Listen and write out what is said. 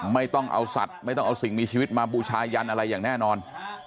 ไม่ต้องเอาสัตว์ไม่ต้องเอาสิ่งมีชีวิตมาบูชายันอะไรอย่างแน่นอน